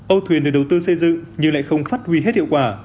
âu thuyền được đầu tư xây dựng nhưng lại không phát huy hết hiệu quả